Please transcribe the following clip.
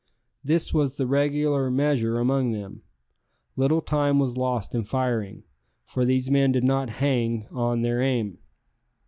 This was the regular measure among them. Little time was lost in firing, for these men did not "hang" on their aim.